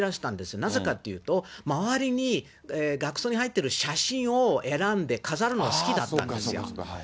なぜかっていうと、周りに額装に入ってる写真を選んで飾るのが好きだったんですよ。